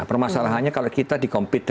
pemasalahannya kalau kita dikompetisi